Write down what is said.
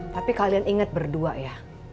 tapi kalian ingat berdua ya